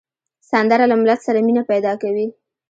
سندره له ملت سره مینه پیدا کوي